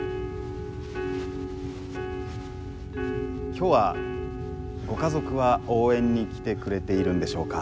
今日はご家族は応援に来てくれているんでしょうか？